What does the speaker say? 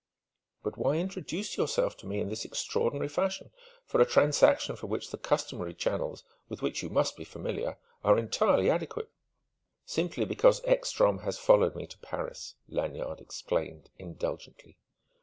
"But why introduce yourself to me in this extraordinary fashion, for a transaction for which the customary channels with which you must be familiar are entirely adequate?" "Simply because Ekstrom has followed me to Paris," Lanyard explained indulgently.